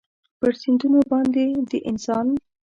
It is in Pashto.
پر سیندونو باندې د انسان